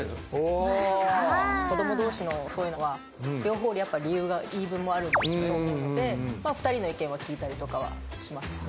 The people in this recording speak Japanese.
子供同士のそういうのは両方言い分もあると思うので２人の意見は聞いたりとかはします。